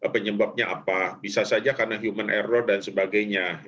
penyebabnya apa bisa saja karena human error dan sebagainya